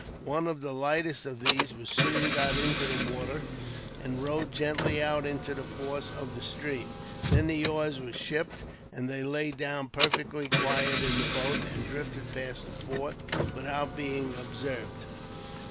One of the lightest of these was soon got into the water, and rowed gently out into the force of the stream. Then the oars were shipped, and they lay down perfectly quiet in the boat, and drifted past the fort without being observed.